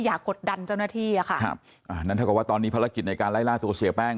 อย่ากดดันนั้นถ้าตอนนี้ภาระกิจในการลายลาดตัวเสียแป้ง